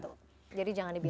jadi jangan dibiasakan